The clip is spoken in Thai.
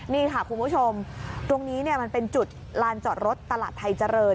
นี่ค่ะคุณผู้ชมตรงนี้มันเป็นจุดลานจอดรถตลาดไทยเจริญ